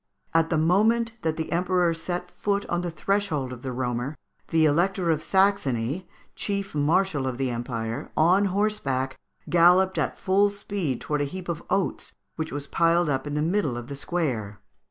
At the moment that the Emperor set foot on the threshold of the Roemer, the Elector of Saxony, Chief Marshal of the Empire, on horseback, galloped at full speed towards a heap of oats which was piled up in the middle of the square.